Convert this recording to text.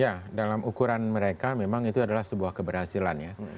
ya dalam ukuran mereka memang itu adalah sebuah keberhasilan ya